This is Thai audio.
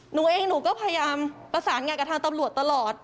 หนูเองหนูก็พยายามประสานงานกับทางตำรวจตลอด